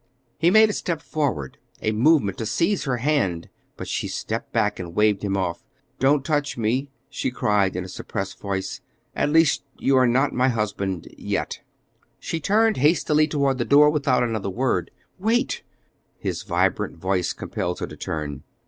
He made a step forward, a movement to seize her hand; but she stepped back and waved him off. "Don't touch me," she cried in a suppressed voice; "at least you are not my husband yet." She turned hastily toward the door without another word. "Wait!" His vibrant voice compelled her to turn.